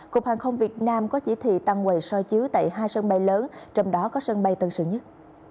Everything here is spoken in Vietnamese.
cục hàng không việt nam có chỉ thị tăng quầy so chiếu tại hai sân bay lớn trong đó có sân bay tân sơn nhất